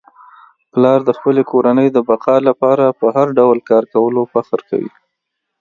پلار د خپلې کورنی د بقا لپاره په هر ډول کار کولو فخر کوي.